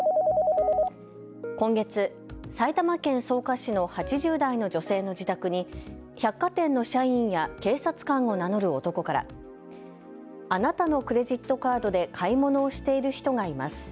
今月、埼玉県草加市の８０代の女性の自宅に百貨店の社員や警察官を名乗る男からあなたのクレジットカードで買い物をしている人がいます。